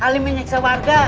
kalim menyeksa warga